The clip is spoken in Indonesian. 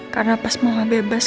karena pas mama bebas